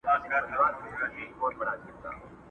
زه په لمبو کي د پتنګ میني منلی یمه!!